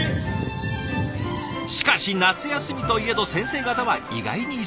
しかし夏休みといえど先生方は意外に忙しい。